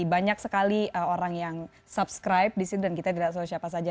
banyak sekali orang yang subscribe disitu dan kita tidak tahu siapa saja